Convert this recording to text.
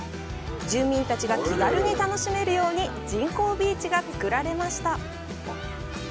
住民たちが気軽に楽しめるように人工ビーチが造られました。